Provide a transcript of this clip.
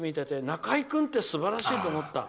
中居君ってすばらしいと思った。